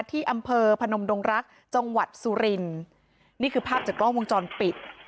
ที่อำเภอพนมดงรักจังหวัดสุรินนี่คือภาพจากกล้องวงจรปิด